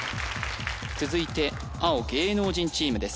続いて青芸能人チームです